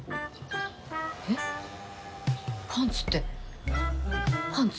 えっパンツってパンツ？